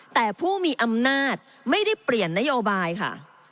แต่ผู้มีอำนาจไม่ได้เปลี่ยนนโยบายค่ะ